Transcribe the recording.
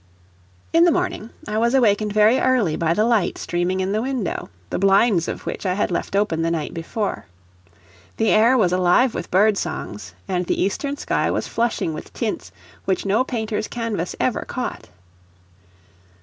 In the morning I was awakened very early by the light streaming in the window, the blinds of which I had left open the night before. The air was alive with bird songs, and the eastern sky was flushing with tints which no painter's canvas ever caught.